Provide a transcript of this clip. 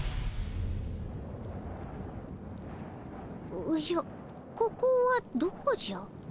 おおじゃここはどこじゃ？